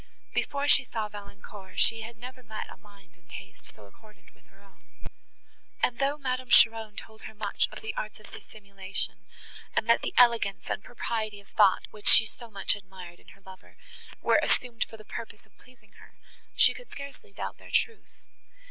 Before she saw Valancourt she had never met a mind and taste so accordant with her own, and, though Madame Cheron told her much of the arts of dissimulation, and that the elegance and propriety of thought, which she so much admired in her lover, were assumed for the purpose of pleasing her, she could scarcely doubt their truth.